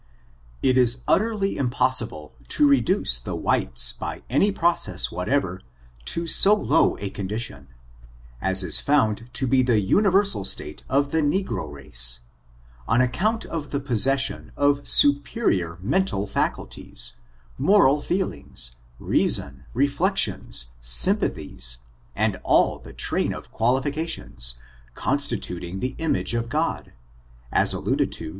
It is utterly impossible to reduce the whites by any process whatever to so low a condition, as is found to be the universal state of the negro race, on account of the possession of superior mental faculties, moral feelings, reason, reflections, sympathies, and all the train of qualifications, constituting the image of God, as alluded to.